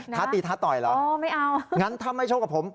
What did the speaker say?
ถ้าตีถ้าต่อยเหรอนะครับงั้นถ้าไม่ชกกับผม